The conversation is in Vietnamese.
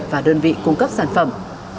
và đơn vị cung cấp sản phẩm